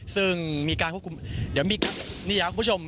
ซึ่งมีการฝุม